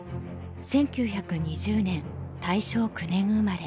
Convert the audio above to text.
１９２０年大正９年生まれ。